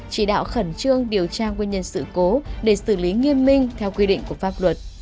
chỉ đạo khẩn trương điều tra nguyên nhân sự cố để xử lý nghiêm minh theo quy định của pháp luật